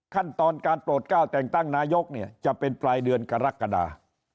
ขั้นตอนการโปรดก้าวแต่งตั้งนายกเนี่ยจะเป็นปลายเดือนกรกฎา